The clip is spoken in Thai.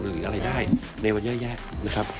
หรืออะไรได้ในวันเยอะแยะนะครับ